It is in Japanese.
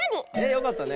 よかったね。